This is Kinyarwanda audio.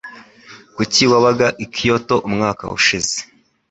Kuki wabaga i Kyoto umwaka ushize?